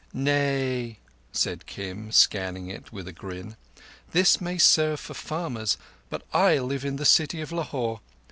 "Nay," said Kim, scanning it with a grin. "This may serve for farmers, but I live in the city of Lahore.